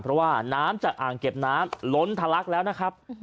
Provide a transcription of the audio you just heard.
เพราะว่าน้ำจากอ่างเก็บน้ำล้นทะลักแล้วนะครับ